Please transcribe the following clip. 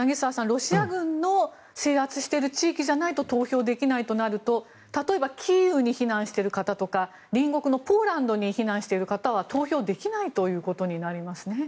ロシア軍の制圧している地域じゃないと投票できないとなると、例えばキーウに避難している方とか隣国のポーランドに避難している方は投票できないということになりますね。